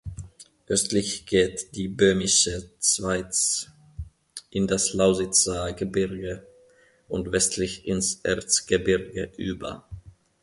Östlich geht die Böhmische Schweiz in das Lausitzer Gebirge und westlich ins Erzgebirge über.